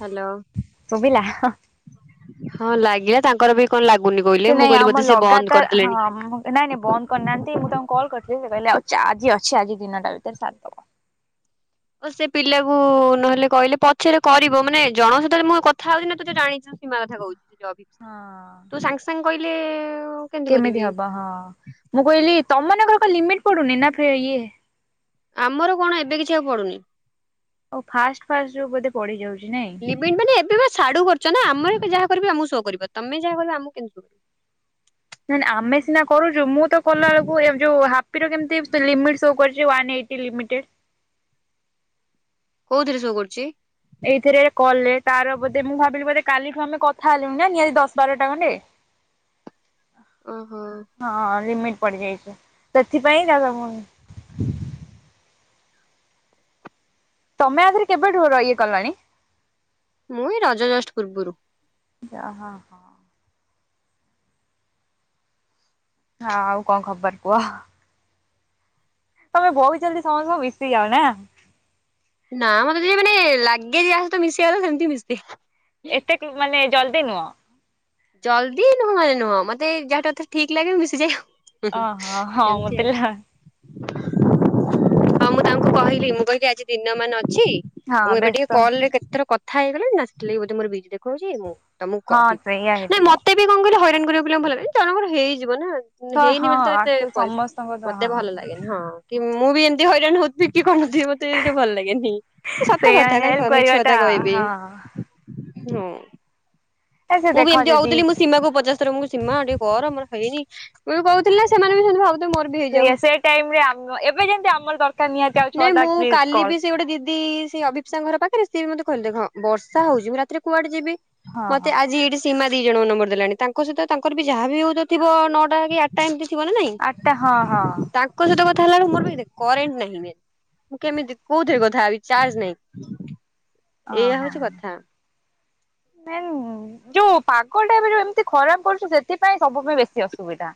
Hello ଶୁଭିଲା ହଁ ଲାଗିଲା ତାଙ୍କର ବି କଣ ଲାଗୁନି ସେ କହିଲେ ମୁଁ ନାଇଁ କହିଲି ଆମର ବୋଧେ ସେ ବନ୍ଦ ଲଗାତାର ହଁ କରିଦେଲିଣି। ନାଇଁ ନାଇଁ ବନ୍ଦ କରିନାହାନ୍ତି ମୁଁ ତାଙ୍କୁ କଲ୍ କରିଥିଲି ସେ କହିଲେ ଯାହ ଆଜି ଅଛି ଆଜି ଦିନଟା ଭିତରେ ସାରିଦେବା। ଓ ସେ ପିଲାକୁ ନହେଲେ କହିଲେ ପଛରେ କରିବ ମାନେ ଜଣ ସତ ମୁଁ କଥା ହଉଛି ନା ତୁତେ ଜାଣିଛୁ। ସୀମା କଥା କହୁଛି ଯଉ ଅଭିପସା ହଁ। ତୁ ସାଙ୍ଗେ ସାଙ୍ଗେ କହିଲେ- କେମିତି ହବ ହଁ। ମୁଁ କହିଲି ତମମାନଙ୍କର ଏକ ଲିମିଟ ପଡୁନି ନା ଇଏ- ଆମର କଣ ଏବେ କିଛିିବାକୁ ପଡ଼ୁନି। ଓଉ ଫାଷ୍ଟ ଫାଷ୍ଟ ଯୋଉ ବୋଧେ ପଡିି ଯାଉଛି ନାଇଁ ଲିମଟ ମାନେ ଏବେ ବା ା [unintelligible] କରୁଛ ନା ଆମର ଯାହା କରିବ ଆମ ସୋ କରିବ ତମେ ଯାହା କରିବ ଆମକୁ କେମତି ସ କରିବ ନାଇଁ ନାଇଁ ଆମେ ସିନା କରୁଛୁ ମୁଁ ତ କଲାବେେଳକୁ ଯୋଉ ହାପି ର କେମିତି ଲିମିଟ୍ ସୋ କରୁଛି ୱାନଏଇଟି ଲିମିଟେ୍ଟ - କୋଉଥିରେ ଶୋ କରୁଛି। ଏଇଥିରେ କଲେ ତାର ବୋଧେ ମୁଁ ଭାବିଲି ବୋଧେ କାଲିଠୁ ଆେ କଥା ହେଲୁ ନା ନିହାତି ଦଶ ବାରଟା ଖଣ୍ଡେ। ଅ [inaudible] ଓହୋ ହଁ ଲିମିଟ ପଡିଯାଇଛି ସେଥିପାଇଁ ଯା ହଉନି। ତମେ ଆଗରେ କେବେଠୁ ଇଏ କଲଣି? ମୁ ଏଇ ରଜ ଜଷ୍ଟ ପୂର୍ବରୁ- ଯାହଁ ହଁ। ହଁ ଆଉ କଣ ଖବର କୁହ? ତମେ ବହୁତ ଜଲ୍ଦି ସମସ୍ତେ ସୁ ମିଶି ଯଅ ନା। ନା ମତେ ଯି ମାନେ ଲାଗେ ଯ ଆସ ମିଶିଗଲା ସେମିତି ମିଶେ। ଏତେ ମାନେ ଜଲ୍ଦି ନୁହଁ। ଜଲଦି ନୁହଁ ଏ ନୁହଁ ମତେ ଯାହା ଟା ଏତେ ଠିକ ଲାଗେ ମୁ ମିଶଯାଏ। ଓହୋ ହଁ ମତେ କେମତିଆ ଲା [unintelligible] ହଁ ମୁଁ ତାଙ୍କୁ କହିଲି ମୁଁ କହିବି ଆଜି ଦିନ ମାନ ଅଛି। ହଁ ଆ ମୁଁ ଏବେ ଟିକେ ବ୍ୟସ୍ତ କଲ ରେ କେତେଥର କଥା ହେଇଗଲିଣି ନା ସେଥିଲାଗି ବୋଧେ ମୋର ବିଜ ଦେଖାଉଉଛି ମୁଁ ତମକୁ ହଁ କହିବି। ସେଇଆ [inaudible] ନାଇଁ ମତେ ବି କହିଲ ହଇରାଣିବ ବୋଲି ଭଲ ଲାଗି ଜଣଙ୍କର ହେଇଯିବ ନା। ହଁ ହେଇନି ହଁ ବୋଲି ତ ଏତେ ଆକ୍ଚୁ ପରି [unintelligible] ସମସ୍ତଙ୍କ ତ ମତେ ହଁ ହଁ। ଭଲ ଲାଗେନ ହଁ କି ମୁଁ ବି ଏମିତି ହଇରାଣ ହଉ ବିକି କରିନି ନ ଥିବ। ଭଲ ଲାଗେନି ସତ ସେଇଆ କଥା ହେଲ୍ପ କାହିଁ ମିଛ କଥା କରିବାଟା କହିବି ହଁ ହଁ। ଏ ସେ ମୁଁ ଦେଖ ବି ଏମିତି ଯଦି ହଉଥିଲି ମୁଁ ସୀମା କୁ ପଚାଶ ଥର ମୁଁ କ ସୀମା ଟିକିଏ କର ମୋର ହେଇନି ମୁ କହୁଥିଲା ସେମାନେ ବି ସେମତି ଭାବଥିଲେ ସେୟା ସେ ଟାଇମରେ ଆମେଏବେ ଯେମତି ଆମର ଦରକାର ନିହାତି ଆଉ ନାଇଁ ଛଅଟା ମୁଁ ପ୍ଲିଜ କାଲି ବି କଲ ସେ ଗୋଟେ ଦିଦି ସେଇ ଅଭିପ୍ସାଙ୍କର ପାଖରେ ସିଏ ବି ମତେ କହିଲେ ଖ ବରସା ହଉଛି ମୁଁ ରାତିରେ କୁଆଡେ ଯିବି ହଁ ମତେ ହଁ ଆଜି ଏଇଠି ସୀମା ଦି ଜଣଙ୍କ ନମ୍ବର ଦେଲାଣି ତାଙ୍କ ସହିତ ତାଙ୍କର ବି ଯାହା ବି ହଉ ତ ଥିବ ନଅଟା କି ଆ ଟାଇମ ଟି ଥିବ ନା ନାଇଁ ଆଠଟା ହଁ ହଁ ତା କ ସହିତ କଥା ହେଲା ବେଳକୁ ମୋର ବି ଦେଖେ କରେଣ୍ଟ ନାହିଁ ମୁଁ କେମିତି କୋଉଥିରେ କଥା ହେବି ଚାର୍ଜ ନାହିଁ ଏଇଆ ହଉଛି କଥା ନାଇ ଉ ଯୋଉ ପାଗଟା ଏବେ ଯୋଉ ଏମିତି ଖରାପ କରୁଛୁ ସେଥିପାଇଁ ସବୁ ପାଇଁ ବେଶୀ ଅସୁବିଧା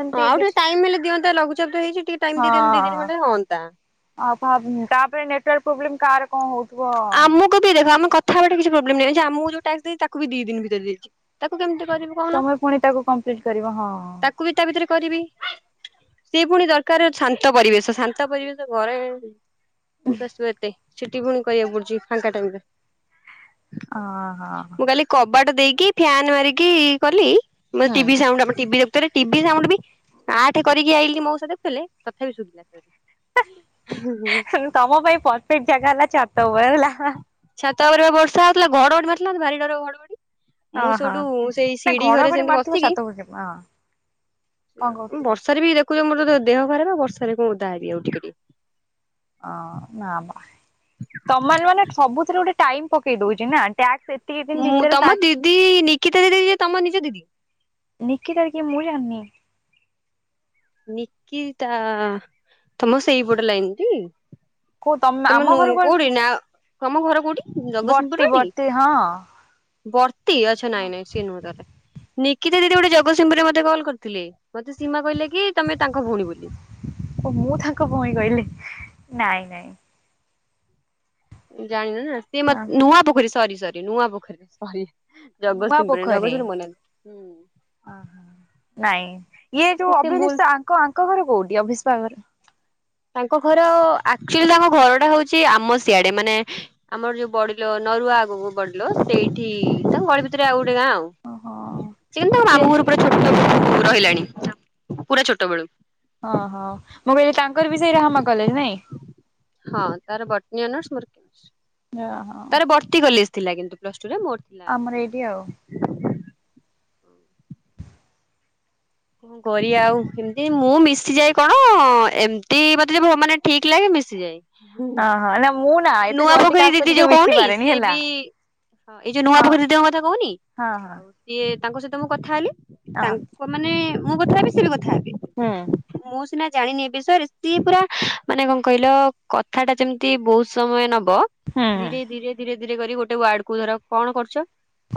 ଏମିତି ହଉ ଟିକ କିଛି ଟାଇ ହେଲେ ଦିନ୍ତା ଲଘୁଚାପ ତ ହେଇଛି ଟିକେ ଟାଇି ଦି ହଁ। ଖଣ୍ଡ ହଅନ୍ ଆଉ ତାପରେ ନେଟୱାର୍କ ପ୍ରୋବ୍ଲେମ କାହାର କଣ ହଉଥିବ ଆମକୁ ବି ଦେଖ ଆମ କଥା ବାଟେ କିଛି ପ୍ରୋବ୍ଲେମ ନଁ ଆମକୁ ଯୋଉ ଟାକ୍ସ ଦେଇ ତାକୁ ବି ଦି ଦିନିତରେ ଦେଇଛି ତାକୁ କେମିତି କରିବୁ ତମେ ପୁଣି ତାକୁ କମ୍ପ୍ଲିଟ କରିବ ହଁ ତାକୁ ବି ତା ଭିତରେ କରିବି ସେ ପୁଣି ଦରକାର ଶାନ୍ତ ପରିବେଶ ଶାନ୍ତ ପରିବେଶ ଘରେ କୋଠୁ ଆସିବ ଏତେ ସେଠି ପୁଣି କରିବାକୁ ପଡୁଛି ଫାଙ୍କା ଟାଇମରେ ଓହୋ ମୁଁ କାଲି କବାଟ ଦେଇକି ଫ୍ୟାନ ମାରିକି କଲି ମେ ଟିଭି ସାଉଣ୍ଡ ଆ ଟିଭି ଦେ ଟିଭି ସାଉଣ୍ଡ ବି ଆଠ କରିକି ଆଇଲି ମୋ ସା ଦେଖୁଥିଲେ ତଥାପି ଶୁଧିଲା ହୁଁ ହୁ ତମ ପାଇଁ ପରଫେକ୍ଟ ଜାଗା ହେଲା ଛାତ ଉପରେ ହେଲା ହା ହା ଛାତ ଉପରେ ବା ବର୍ଷା ହେଉଥିଲା ଘଡ ଅଡି ମାରୁଥିଲା ମୋତେ ଭାରି ଡର ଘଡ ଘଡି ମୁଁ ଓହୋ ସେଉଠୁ ସେଇ ନା ଶିଢି ଘରେ ଘଡଘଡି ସେମିତି ମାରିଥିବ ଛାତ ବସିକି। ଉପରେ ଯିବ ହଁ କଣ କହୁଥିଲ? ବର୍ଷାରେ ବି ଦେଖୁଛ ମୋର ତ ଦେହ ଖରାପେ ବର୍ଷାରେ କଣ ଓଦା ହେବି ଆଉ ଟିକେ ଟି ଅ ନା ବା ତମ ମାନେ ସବୁଥିରେ ଗୋଟେ ଟାଇ ପକେଇ ଦଉଛି ନା ଟା ମୁଁ ତମ ଦିଦି ନିକିତା ଦିଦି ଯିଏ ତମ ନିଜ ଦିଦି। ନିକି ତାର କିିଏ ମୁଁ ଜାଣିନି। ନିକିତା ତମ ସେଇପଟ ଲାଗନ ଟି। କୋଉ ତମେ ତମ ଆମ ନୁ ଘରକୁ କୋଉଠି ନା ତମ ଘର କୋଉଠି ବର୍ତ୍ତି ଜଗତସିଂହପୁରରେ ଟି। ବର୍ତ୍ତି ହଁ ବର୍ତ୍ତି ଆଛା ନାଇଁ ନାଇଁ ସିଏ ନୁହଁ ତାହାଲେ। ନିକିତା ଦିଦି ଗୋଟେ ଜଗତସିଂହପୁରରେ ମତେ କଲ କରିଥିଲେ। ମତେ ସୀମା କହିଲେ କି ତମେ ତାଙ୍କ ଭଉଣୀ ବୋଲି। ଓ ମୁଁ ତାଙ୍କ ଭଇ କହିଲି ନାଇଁ ନାଇଁ ଜାଣିନି ନା ସିଏ ହଁ ମତେ ନୂଆ ପୋଖରୀ ସରି ସରି ନୂଆ ପୋଖରୀରେ ସରି ନୂଆ ଜଗସିଂପୁରୁରେ ଜଗସିଂପୁରୁ ବନାନ୍ତି ଓହୋ ନାଇଁ ଇଏ ହୁଁ ଯୋଉ ସେ ଭୁଲ ଅଭିନିଶାଙ୍କ ଆଙ୍କ ଆଙ୍କ ଘର କୋଉଠି ଅଭିଷ୍ପା ଘର? ତାଙ୍କ ଘର ଆକ୍ଚୁଆଲି ତାଙ୍କ ଘରଟା ହଉଛି ଆମ ସିଆଡେ ମାନେ ଆମର ଯୋଉ ବଡିଲ ନରୁଆ ଆଗକୁ ବଡିଲ ସେଇଠି ତାଙ୍କ ଗଳି ଭିତରେ ଆଉ ଗୋଟେ ଗାଁ ଆଉ ଓହୋ ସିଏ କିନ୍ତୁ ତାଙ୍କ ସିଏ ମାମୁଁ ଘରୁ ପୁରା ଛୋଟ ଳ ରହିଲାଣି ପୁରା ଛୋଟ ବେଳୁ ଓହୋ ମୁଁ କହିଲି ତାଙ୍କର ବି ସେଇ ରହମା କଲେଜ ନାଇଁ ହଁ ତାର ବର୍ତ୍ତି ଓନର୍ସ ମୋର କି ମିସ୍ ହଁ ତାର ବର୍ତ୍ତି କଲେଜ ଥିଲା କିନ୍ତୁ ପ୍ଲସ ଟୁ ମୋର ଥିଲା ଆମର ଏଇଠି ଆଉ କଣ କରିବା ଆଉ କେମିତି ମୁଁ ମିଶିଯାଏ କଣ ଏମିତି ମତେ ଯ ମାନେ ଠିକ ଲାଗେ ମିଶିଯାଏ ହୁ ଓହୋ ନା ମୁଁ ନା ଏତେ ନୂଆ ଜଲ୍ଦି କାହା ପୋଖରୀ ସହିତ ଦିଦି ଟିକେ ଯୋଉ ମିଶି କହୁନି ପାରେନି ସିଏ ହେଲା ବି ହଁ ଏଇ ଯୋଉ ନୂଆ ହଁ ପୋଖରୀ ଦିଦିଙ୍କ କଥା କହୁନି ହଁ ହଁ ଆଉ ଇଏ ତାଙ୍କ ସହିତ ମୁଁ କଥା ହେଲି। ହଁ ତାଙ୍କ ମାନେ ମୁଁ କଥା ହେବି ସେ ବି କଥା ହୁଁ ହେବେ। ମୁଁ ସିନା ଜାଣିନି ଏ ବିଷୟରେ ସିଏ ପୁରା ମାନେ କଣ କହିଲ କଥା ଟା ଯେମିତି ବହୁତ ସମୟ ନବ ହୁଁ ହୁଁ ଧୀରେ ଧୀରେ ଧୀରେ ଧୀରେ କରି ଗୋଟେ ୱାର୍ଡ କୁ ଧର କଣ କରୁଛ।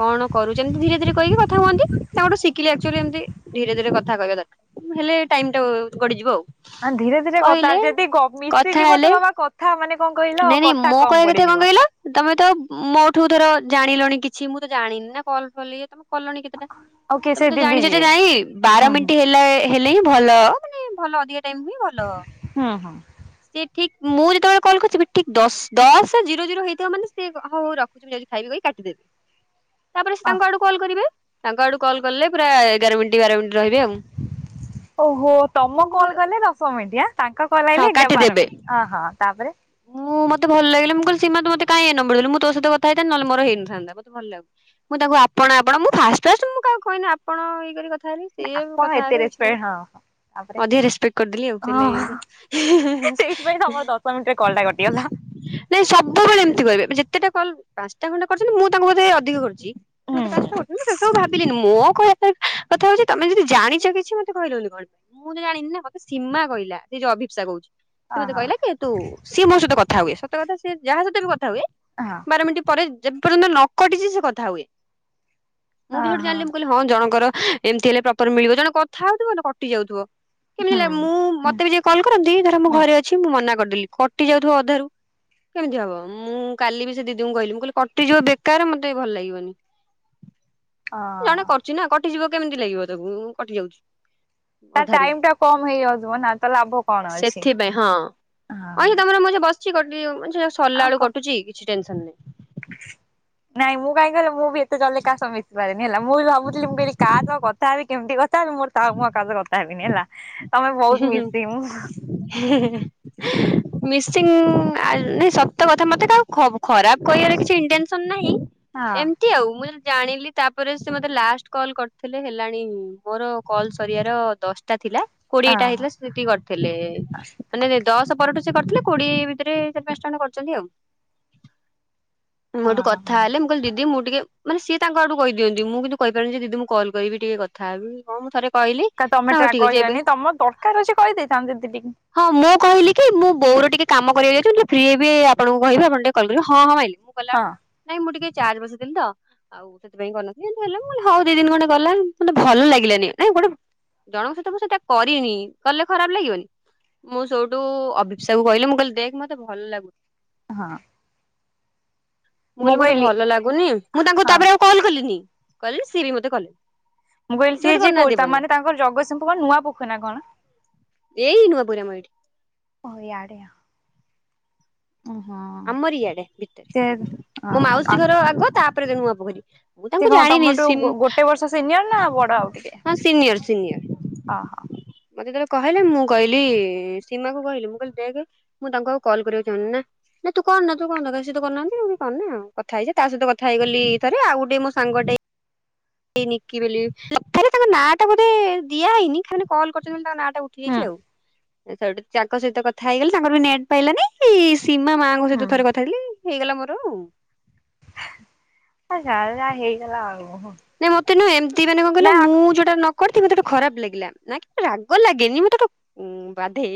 କଣ କରୁଛନ୍ତି ଧୀରେ ଧୀରେ କହିକି କଥା ହୁଅନ୍ତି। ତାଙ୍କଠୁଁ ଶିଖିଲି ଆକଚୁଆଲି ଏମିତି। ଧୀରେ ଧୀରେ କଥା କହିବା ଦରକାର, ହେଲେ ଟାଇମ୍ ଟା ଗଡି ଯିବ ଆଉ। ଆଁ ଧୀରେ ଧୀରେ କଥା କହିଲେ ଯଦି ଗ କଥା ମିଶିଯିବ, ହେଲେ ତ ବାବା କଥ୍ ଥା ମାନେ କଣ କହିଲ? ନାଇଁ ନାଇଁ କଥା ମୋ କହିବା କମ୍ କଥା କଣ ପଡିଯିବ। କହିଲ ତମେ ତ ମୋଠୁ ଧର ଜାଣିଲଣି କିଛି, ମୁଁ ତ ଜାଣିନି ନା କଲ୍ ଫଲ୍ ଇଏ ତମ କଲଣି କେତେଟା। ଓକେ ସେ ତମେ ତ ଦିଦି ଜାଣିଛ ଯେ ଯିଏ। ନାଇଁ ବାର ହଁ ହଁ ମିନ୍ଟି ହେ ହେଲେ ହେଲେ ହିଁ ଭଲ। ମାନେ ଭଲ ଅଧିକା ଟାଇମ୍ ହିଁ ଭଲ। ହଁ ହଁ। ସିଏ ଠିକ୍ ମୁଁ ଯେତେବେଳେ କଲ୍ କରୁଥିବି ଠିକ୍ ଦଶ! ଦଶ ଜିରୋ ଜିରୋ ହେଇଥିବ, ମାନେ ସେ ହଉ ହଉ ରଖୁଛି ମୁଁ ଯାଉଛି ଖାଇବି କହି କାଟିଦେଇଥି ତା'ପରେ ସେ ଅ ତାଙ୍କ ଆଡୁ କଲ୍ କରିବେ। ତାଙ୍କ ଆଡୁ କଲ୍ କଲେ ପୁରା ଏଗାର ମିନ୍ଟି ବାର ମିନ୍ଟି ରହିବେ ଆଉ। ଓହୋ! ତମ ମୁଁ କଲ୍ କଲେ ଦଶ ମିନ୍ଟି। ଆଁ ତାଙ୍କ କଲ୍ ହଁ ଆଇଲେ ଏଗା ବାର କାଟିଦେବେ ମିନ୍ ଅ ହଁ, ତା'ପରେ ମୁଁ ମତେ ଭଲ ଲାଗିଲା। ମୁଁ କହିଲି ସୀମା ତୁ ମତେ କାଇଁ ଏ ନମ୍ବର ଦେଲୁ ମୁଁ ତୋ ସହିତ କଥା ହେଇଥାନ୍ତି ନ ହେଲେ ମୋର ହେଇନଥାନ୍ତା। ମତେ ଭଲ ଲା ମୁଁ ତାକୁ ଆପଣ ଆପଣ, ମୁଁ ଫାର୍ଷ୍ଟ ଫାର୍ଷ୍ଟ, ମୁଁ କାହାକୁ କହିନି ଆପଣ ଇଏ କରି କଥା ହେଲି। ସିଏ ଏବେ ଆପଣ କଥା ଏତେ ହେବେ କିଛି ନାଇଁ। ରେସପେକ୍ଟ ହଁ ହଁ ତାପରେ ଅଧିକ ରେସପେକ୍ଟ କରିଦେଲି ଆଉ, ସେଇଥିଲାଗି ଓହ ଏମିତି। ଶ ମିଣ୍ଟି ରେ କଲଟା କଟିଗଲା। ନାଇଁ, ସବୁବେଳେ ଏମିତି କହିବେ। ଯେତେଟା କଲ୍ ପାଞ୍ଚଟା ଖଣ୍ଡେ କରଛନ୍ତି, ମୁଁ ତାଙ୍କୁ ବୋଧେ ଅଧିକା କରିଚି! ହୁଁ ହୁଁ ସେ ସବୁ ଭାବିଲିନି। ମୋ କହିବା କଥା ହଉଛି, ତମେ ଯଦି ଜାଣିଛ କିଛି, ମୋତେ କହିଲନି କଣ? ମୁଁ ତ ଜାଣିନି ନା, ମତେ ସୀମା କହିଲା। ସେ ଯଉ ଅଭିିପ୍ସା କହୁଛି। ସେ ଅହ ମତେ କହିଲା କି ତୁ, ସିଏ ମୋ ସହିତ କଥା ହୁଏ। ସତ କଥା ସିଏ ଯାହା ସହିତ ବି କଥା ହୁଏ ହଁ। ମିନ୍ଟି ପରେ, ଯେ ପର୍ଯ୍ୟନ୍ତ ନ କଟିଛି ସେ କଥା ହୁଏ। ମୁଁ ବି ଅହ ସେଠୁ ହୁଁ। ଜାଣିଲି, ମୁଁ କହିଲି ହ ହଁ, ଜଣଙ୍କର ଏମିତି ହେଲେ ପ୍ରପର ମିଳିବ। ଜଣେ କଥା ହଉଥିବ ନା କଟି ଯାଉଥିବ। କେମିତି ହେଲା, ମୁଁ ହୁଁ ମତେ ବି ଯିଏ କଲ୍ କରନ୍ତି ଧର, ମୁଁ ହୁଁ ଘରେ ଅଛି ମୁଁ ମନା କରିଦେଲି। କଟି ଯାଉଥିବ ଅଧାରୁ କେମିତି ହବ! ମୁଁ କାଲି ବି ସେ ଦିଦିଙ୍କୁ କହିଲି ମୁଁ କହିଲି କଟିଯିବ ବେକାର, ମତେ ଭଲ ଲାଗିବନି। ଅଁ-ଅ ଚିନା କଟିଯିବ। କେମିତି ଲାଗିବ ତାକୁ! କଟି ଯାଉଛି। ତା ଅଧାରୁ ଟାଇମ୍ ଟା କମ୍ ହେଇଯାଉଥିବ ନା, ତ ଲାଭ କଣ ଅଛି? ଅଇଛା, ହଁ ତମର ମୁଁ ଏଇଛା ବସଛି, କଟି [unintelligible] ସରିଲା ଆଉ ବେଳକୁ କ କଟୁଛି କିଛି ଟେନ୍ ସନ ନାହିଁ। ନାଇଁ, ମୁଁ କାହିଁ କହିଲ, ମୁଁ ବି ଏତେ ଜଲ୍ଲୀ କାହ ସହ ମିଶିପାରେନି। ହେଲା, ମୁଁ ବି ଭାବୁଥିଲି, ମୁଁ କହିଲି କାହା ସହ କଥାହେବି, କେମତି କଥାହେବି, ମୋର ତାଉ। ମୁଁ ଆଉ, କାହା ସହ କଥା ହେବିନି ହେଲା। ତମେ ବହୁତ ହୁଁ, ହୁଁ, ମିଶି ମୁଁ ହେଁ, ହେଁ। ମିଶିଂ! ଆ ନାଇଁ ସତ କଥା, ମତେ କାହାକୁ ଖ-ଖରାପ କହିବାର କିଛି ଇଣ୍ଟେନ୍ସନ ନାହିଁ। ହଁ ଏମ୍ ତି ଆଉ, ମୁଁ ଯେ ଜାଣିଲି ତା'ପରେ ସେ ମୋତେ ଲାଷ୍ଟ କଲ୍ କରିଥିଲେ, ହେଲାଣି ମୋର କଲ୍ ସରିବାର ଦଶ ଟା ଥିଲା। କୋଡିଏଟା ହେଇଥିଲା ହଁ ସେ ସେଠି କରିଥିଲେ। ମାନେ ଦଶ ପରଠୁ ସେ କରିଥିଲେ। କୋଡିଏ ଭିତରେ ଚାରି ପାଞ୍ଚଟା ଖଣ୍ଡେ କରିଛନ୍ତି ଆଉ। ମୋ ଠୁ କଥା ହଁ। ହେଲେ ମୁଁ କହଲି ଦିଦି ମୁଁ ଟିକେ, ମାନେ ସିଏ ତାଙ୍କ ଆଡୁ କହିଦିଅନ୍ତି। ମୁଁ କିନ୍ତୁ କହିପାରେନି, କି ଦିଦି ମୁଁ କଲ୍ କରିବିି ଟିକେ କଥାହେବି କଣ? ମୁଁ ଥରେ କହିଲି କାଇଁ ତମେ ନା ହଉ ଟ୍ରାକ୍ ଠିକ ଅଛି ଏବେ କହିଲନି, ତମର ଦରକାର ଅଛି, କହିଦେଇଥାନ୍ତ ଦିଦି ଟିକ୍ ହଁ, ମୁଁ କହିଲି କି ମୁଁ ବୋଉର ଟିକେ କାମ କରିବାକୁ ଯାଉଛି। ମୁଁ [unintelligible] ଫ୍ରୀ ହେବି, ଆପଣଙ୍କୁ କିହିବି ଆପଣ ଟିକେ କଲ୍ କରିବେ। ହଁ, ହାଁ ମାଇଲେ। ଗଲା ହଁ ଅଳକୁ, ନାଇଁ ମୁଁ ଟିକେ ଚାର୍ଜ ବସେଇଥିଲି ତ ଆଉ, ସେଥିପାଇଁ କରିନଥିଲି ଏମିତି ହଲେ, ମୁଁ କହିଲି ହଉ ଦି ଦିନ ଖଣ୍ଡେ ଗଲା ମତେ ଭଲ ଲାଗିଲାନି। ନାଇଁ ଗୋଟେ ଜଣଙ୍କ ସହିତ ମୁଁ ସେଇଟା କରିନି, କଲେ ଖରାପ ଲାଗିବନି। ମୁଁ ସେଇଠୁ ଅଭିପ୍ସା କୁ କହିଲି ମୁଁ କହିଲି, ଦେଖ ମତେ ଭଲ ଲାଗୁନି। ହଁ। ମୁଁ କହିଲି ମତେ ଭଲ ଲାଗୁନି। ମୁଁ ତାଙ୍କୁ ହଁ ତା'ପରେ ଆଉ କଲ୍ କଲିିନି। କହିଲି ସିଏ ବି ମତେ କଲେ। ମୁଁ କହିଲି ସିଏ ଯିଏ କଉଠ! ତା, ମାନେ, ତାଙ୍କର ଜଗତସିଂହପୁର ନୂଆ ପୋଖ ନା କଣ? ଏଇ ନୁଆପୁର ଆମ ଏଇଠି। ଓ ଇଆଡ଼େ ଆ। ଓହଁ। ଆମରି ଇଆଡେ ଭିତରେ ମୋ ହଁ ଆ ମାଉସୀଘର ଆଗ ତାପରେ ନୁଆପୋଖରୀ। ସେ କଣ ତମଠୁ ଗୋଟେ ବର୍ଷ ସିନିୟର ନା ବଡ ଆଉ ଟିକେ, ହଁ ସିନିୟର ସିନିୟର ଅହୋ। ମତେ ଯେତେଳେ କହିଲେ ମୁଁ କହିଲି ସୀମାକୁ କହିଲି ମୁଁ କହିଲି ଦେଖେ ମୁଁ ତାଙ୍କୁ ଆଉ କଲ୍ କରିବାକୁ ଚାହୁଁନି, ନା ନାଇଁ ତୁ କରନା ତୁ କନ ଦରକାର ସିଏତ କରୁନାହାନ୍ତି ଆଉ କରନି କଥା ହେଇଯା ତା ସହିତ କଥା ହେଇଗଲି ଥରେ ଆଉ ଗୋଟେ ସାଙ୍ଗଟେ। ନିକି ବୋଲି [unintelligible] ଆରେ ତାଙ୍କ ନାଁ ଟା ବୋଧେ ଦିଆ ହେଇନି ସେମାନେ କଲ୍ କରି ସେଥିପାଇଁ ତାଙ୍କ ନାଁ ଟା ହୁଁ ଉଠିଯାଇଛି ଆଉ। ସେଠୁ ତାଙ୍କ ସହିତ କଥା ହେଇଗଲି ତାଙ୍କର ବି ନେଟ୍ ପାଇଲାନି କି ସୀମା ମାଙ୍କ ହୁଁ ସହିତ ଥରେ କଥା ହେଇଥିଲି। ହେଇଗଲା ମୋର ଆଉ। ହେ ଯାର ଯା ଯାହା ହେଇଗଲା ଆଉ। ନାଇଁ ମତେ ନୁହଁ ଏମିତି ମାନେ କଣ କହିଲ ନା ମୁଁ ଯୋଉଟା ନ କରିଥିବି ମତେ ଖରାପ ଲାଗିଲା ରାଗ ଲାଗେନି ମତେ ଗୋଟେ ଉୁଁ ବାଧେ,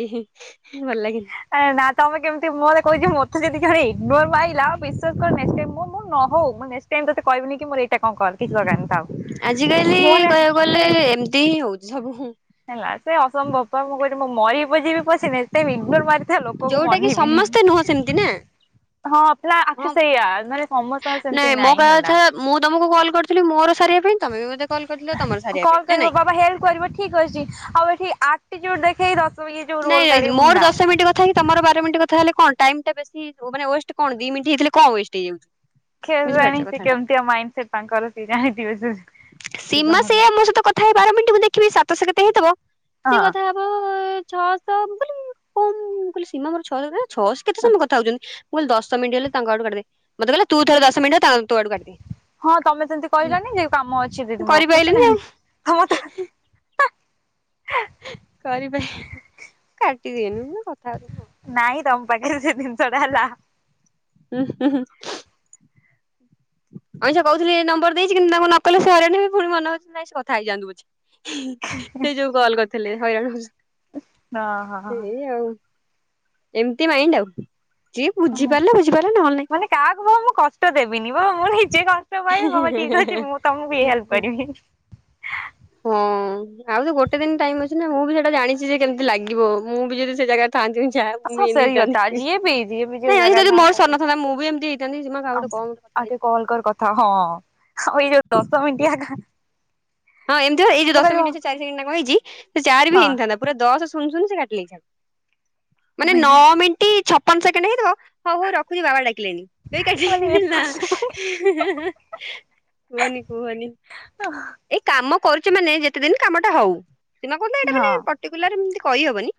ଭଲ ଲାଗେନି। ଏ ନା ତମେ କେମିତି ମୁଁହଁରେ କହିଦିଅ ମତେ କିଏ ଯଦି ଖାଲି ଇଗ୍ନୋର ମାଇଲା ବିଶ୍ୱାସ କର ନେକ୍ସଟ୍ ଟାଇମ ମୋ ନ ହଉ ସେମ ତତେ କହିବିନି କି ମୋର ଏଇଟା କଣ କର କିଚ୍ଛି ଦରକାର ନାହିଁ। ଥାଉ। ଆଜିକାଲି ମୋର କହିବାକୁ ଗଲେ ଏମିତି ହିଁ ହଉଛି ସବୁ ହ ହେଲା ସେ ଅସମ୍ଭବ ପା ମୁଁ କହିଲି ମୁଁ ମରିବି ପଛେ ଯିବି ପଶିନି ଇଗନୋର ସେମିତିଆ ଲୋକକୁ ମୁଁ ଯୋଉଟା କି ଅନେଇବିନି। ସମସ୍ତେ ନୁହଁ ସେମିତି ନା। ହଁ ପିଲା ହଁ ଆସୁ ସେଇଆ ନହଲେ ସମସ୍ତଙ୍କର ସେମିତି ମୋ ନାଇଁ କହିବା ହେଲା। କଥା ମୁଁ ତମକୁ କଲ୍ କରିଥିଲି ମୋର ସାରିବା ପାଇଁ ତମେ ବି ମୋତେ କଲ୍ କରିଥିଲ ତମର ସାରିବା ପାଇଁ କଲ୍ ନା କରିବ ନାଇଁ? ହେଲ୍ପ କରିବ ଠିକ ଅଛି ଆଉ ଏଠି ଆଟିଚୁଡ଼ୁ ଦେଖେଇ ଦ ଇଏ ଯୋଉ ରୋଲ କାଢିବୁ ନା। ନା। କାହିଁ ତମର ବାର ମିନିଟ କଥା ହେଲେ କଣ ଟାଇମଟା ବେଶି ମାନେ ୱେଷ୍ଟ କଣ ଦି ମିନିଟ ହେଇଥିଲେ କଣ ୱେଷ୍ଟ ହେଇଯାଉଛି? କେଜାଣି ବୁଝିପାରୁଛ ସେ କଥାଟା। କେମିତିଆ ମାଇଣ୍ଡ ସେଟ ସେ ତାଙ୍କର ସେ ଜାଣିଥିବେ। ଥାଏ ବାରମିନିଟ ମୁଁ ଦେଖିବି ସାତଶ କେତେ ହେଇଥିବ ସେ ହଁ। କଥା ଛଅଶହ ବୋଲି କଁ ମୁଁ କହିଲି ସିମା ଛଅଶହ ବୋଲି ଛଅଶହ କେତେ ସମୟ କଥା ହଉଛନ୍ତି। ମୁଁ କହିଲି ଦଶ ମିନିଟ ହେଲେ ତାଙ୍କ ଆଡୁ କାଟିଦେବେ। ମତେ କହିଲା ତୁ ଥରେ ଦଶମିନଟ ହ ତୋ ଆଡୁ କାଟିଦେ। ହଁ ତମେ ସେମିତି ହୁଁ କହିଲନି ଯେ କାମ ଅଛି ଦିଦି ମୁଁ ରଖୁଛି କରିପାଇଲିନି ଆଉ। ନହେଲେ କରିପାରେନି କାଟିଦିଏନି ମୁଁ କହିଲି କଥା ଆଉ। ନାଇଁ ତମ୍ ପାଖରେ ସେ ଜିନିଷଟା ହେଲା। ହୁଁ ହୁଁ। ଅଇଁଛା କହୁଥିଲି ନମ୍ବର ଦେଇଚି କିନ୍ତ ତାଙ୍କୁ ନ କହିଲେ ସେ ହଇରାଣ ପୁଣି ମନେହଉଛି ନାଇ ସେ କଥା ହେଇଯାନ୍ତୁ। ସେଇ ଯୋଉ କଲ କରିଥିଲେ। ହଇରାଣ ହଁ ହଁ। ଏଇ ଆଉ ଏମିତି ମାଇଣ୍ଡ ଆଉ ଯିଏ ବୁଝିପାରିଲା ବୁଝିପାରିଲା ନହେଲେ ନାଇଁ। ମାନେ କାହାକୁ ବା ମୁଁ କଷ୍ଟ ଦେବିନି ବ ନିଜେ କଷ୍ଟ ପାଇବି ବାବା ଠିକ ଅଛି ମୁଁ ତମକୁ ବି ହେଲ୍ପ କରିବି। ହଁ ଆଉ ତ ଗୋଟେ ଦିନ ଟାଇମ ଅଛି ନା ମୁଁ ବି ସେଟା ଜାଣିଛି ଯେ କେମିତି ଲାଗିବ ମୁଁ ବି ଯଦି ସେ ଜାଗା ଥାନ୍ତି ଯା ମୁ ହଁ ଏ ସେଇ କଥା ଯିଏ ବି ଯିଏ ବି ଯୋଉ ନାଇ ଜାଗାରେ ଯଦି ଥାଆନ୍ତୁ ମୋର ସରି ତାକୁ ନଥାନ୍ତା ମୁଁ ବି ଏମିତି [unintelligible] ଆଉ ଟିକେ କଲ କର କଥା ହଁ ଆଉ ଏଇ ଯୋଉ ଦଶ ମିଟିଆ ହଁ ଏମତି ବା ଏ ଯଉ ଦଶ ମିନିଟ ଚାରି ସେକେଣ୍ଡ ନା କଣ ହେଇଛି ସେ ଚାରି ବି ହେଇନଥାନ୍ତା। ପୁରା ଦଶ ଶୁନ ଶୁନ ସେ କାଟିଦେଇଥାନ୍ତେ ମାନେ ନଅ ମିନିଟ ଛପନ ସେକେଣ୍ଡ ହେଇଥିବ ହଉ ହଉ ରଖୁଛି ବାବା ଡାକିଲେଣି କଇକି ମାନେ କାଟିଦେଇକି ଏପଟ ସେପଟ ହେଲା। କୁହନି କୁହନି। ହଁ ଏଇ କାମ କରୁଛେ ମାନେ ଯେତେ ଦିନ କାମ ଟା ହଉ ସିମା କହୁଚି ହଁ। ପଟିକୁଲାର ଏମତି କହିହବନି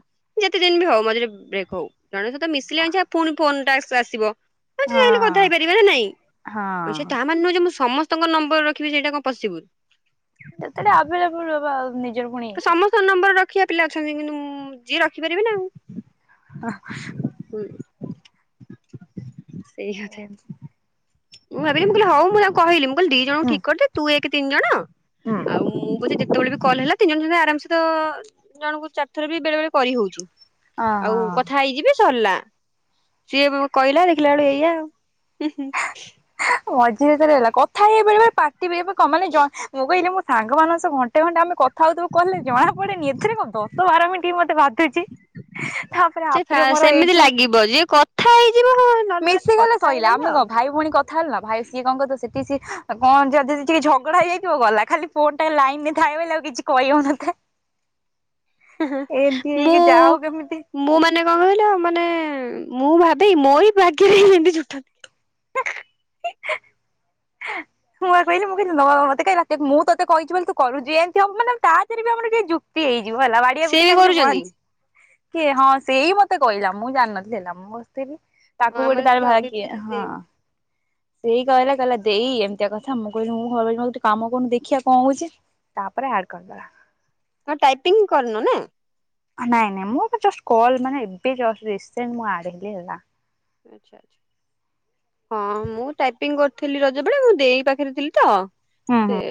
ଯେତେ ଦିନ ବି ହଉ ମଝିରେ ବ୍ରେକ୍ ହଉ। ଜଣଙ୍କ ସହିତ ମିଶିଲେ ପୁଣି ଫୋନଟା ଆସିବ। ହଁତ ଚାଂହିଲେ କଥା ହେଇପାରିବା ନା ନାଇଁ। ହଁ ମାନେ ନୁହେଁ ଯେ ମୁଁ ସମସ୍ତଙ୍କ ନଂବର ରଖିବି ସେଇଟା କଣ ପସିବୁଲ। ଯେତେବେଳେ ଆଭେଲେବୁଲ ରହିବ ଆଉ ନିଜର ପୁଣି କିଛି ତ ନମ୍ବର ରଖିବା ପିଲା ଅଛନ୍ତି କିନ୍ତୁ ମୁଁ ଯିଏ ରଖିପାରିବି ନା ଆଉ। ହଁ ହୁଁ। ସେଇ କଥା। ମୁ ଭାବିଲି ମୁଁ କହିଲି ହଉ ମୁଁ ତାକୁ କହିଲି ମୁଁ କିହିଲି ଦି ଜଣଙ୍କୁ ହୁଁ ଠିକ କରିଦେ ତୁ ଏକ ତିନି ଜଣ ହୁଁ। ଆଉ ମୁଁ ବୋଧେ ଯେତେବେଳେ ବି କଲ ହେଲା ତିନି ଜଣ ଆରାମସେ ତ ଜଣଙ୍କୁ ଚାରିଥର ବି ବେଳେ ବେଳେ କରି ହଉଛି। ଆଉ ଅହଁ। କଥା ହେଇଯିବେ ସରିଲା। ସିଏ କହିଲା ଦେଖିଲା ବେଳୁକୁ ଏଇଆ ଆଉ। ମଝିରେ ଥରେ ହେଲା କଥା ହେଇ ବେଳେ ବେଳେ ପାଟି ବି ଏବେ କଣ ମାନେ ଜଣେ କହିଲା ସାଙ୍ଗ ମାନଙ୍କ ସହ ଘଣ୍ଟେ ଘଣ୍ଟେ ଆମେ କଥା ହଉଥିବୁ କଲରେ ଜଣା ପଡେନି ଏଥିରେ କଣ ଦଶ ବାର ମିନିଟ ମତେ ବାଧୁଛି। ହଁ ତାପରେ ସେ ଫା ହାପିର ମୋର ସେମିତି ଏଇଠୁ ଲାଗିବ ଯିଏ କଥା ହେଇଯିବ ହଁ ନର୍ମାଲି ମିଶିଗଲେ କଥା ସଇଲା ହେଇଗଲ ହଁ। ଆମେ କଣ ଭାଇ ଭଉଣୀ କ କଥା ହେଲୁନା ଭାଇ ସିଏ କଣ କରିଥିବ ସେଠିସିଏ କଣ ଯଦି ଟିକେ ଝଗଡା ହେଇଯାଇଥିବ ଗଲା ଖାଲି ଫୋନ୍ ଟା ଲାଇନରେ ଥାଏବୋଲି ଆଉ କିଛି କହିହଉନଥାଏ। ହେଁ ହେଁ ଏମତି ମୁଁ ହେଇକି ଯା ହଉ କେମିତି ମୁଁ ମାନେ କଣ କହିଲ ମାନେ ମୁଁ ଭାବେଇ ମୋରି ଭାଗ୍ୟରେ ହିଁ ଏମିତି ଜୁଟନ୍ତି। ମୁଁ ପା କହିଲି ମୁଁ କହିଲି ନବା ମତେ ମୁଁ ତତେ କହିଛି ବୋଲି ତୁ କରୁଛୁ ଏମତି ହବ ମାନ ତା ଦେହରେ ବି ଆମର କି ଯୁକ୍ତି ତୀ ହେଇଯିବ ହେଲା ସିଏ ବାଡିଆପିଟି ବି ଖାଲି କରୁଛନ୍ତି ବଞ୍ଚି କିଏ ହଁ ସେଇ ମତେ କହିଲା ମୁଁ ଜାଣିନଥିଲି ହେଲା ମୁଁ ବସିଥିଲି ତାକୁ ହଁ ଗୋଟେ ଆମର ତାର ସେଇ ଭା କିଏ ଅଭିପ୍ସାରୀ ହଁ ସେମ୍ ସେଇ କହିଲା କହିଲା ଦେଇ ଏ ଏମତିଆ କଥା ମୁଁ କହିଲି ମୁଁ ଭାବିଲି ମେର ଏଠି କାମ କରୁନୁ ଦେଖିଆ କଣ ହଉଛି ତାପରେ ଆଡ କରିଦବା। ଟାଇପିଂ କରିନୁ ନା। ନାଇଁ ନାଇଁ ମୁଁ ଏବେ ଜଷ୍ଟ କଲ୍ ମାନେ ଏବେ ଯଷ୍ଟ ରିସେଣ୍ଟ ମୁଁ ଆଡହେଲି ହେଲା। ଆଛା ଆଛା ହଁ ମୁଁ ଟାଇପିଂ କରିଥିଲି ରଜ ବେଳେ ମୁଁ ଦେଇ ପାଖରେ ଥିଲି ତ ହୁଁ ସେ ହୁଁ।